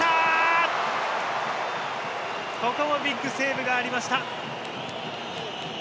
ここもビッグセーブがありました。